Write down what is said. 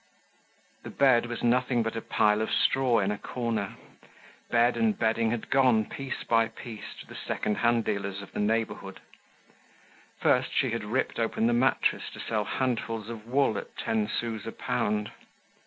The bed was nothing but a pile of straw in a corner. Bed and bedding had gone, piece by piece, to the second hand dealers of the neighborhood. First she had ripped open the mattress to sell handfuls of wool at ten sous a pound.